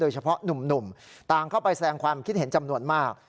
เฉพาะหนุ่มต่างเข้าไปแสดงความคิดเห็นจำนวนมาก